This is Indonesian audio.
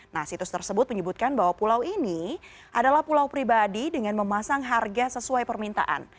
nah situs tersebut menyebutkan bahwa pulau ini adalah pulau pribadi dengan memasang harga sesuai permintaan